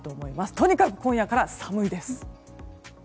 とにかく今夜から寒いです。